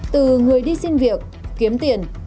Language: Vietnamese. từ người đi xin việc kiếm tiền